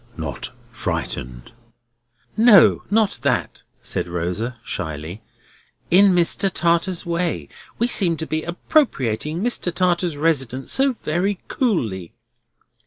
"Not frightened?" "No, not that," said Rosa, shyly; "in Mr. Tartar's way. We seem to be appropriating Mr. Tartar's residence so very coolly."